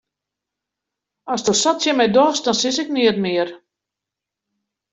Asto sa tsjin my dochst, sis ik neat mear.